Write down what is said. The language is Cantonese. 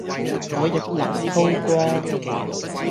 我亦能叨光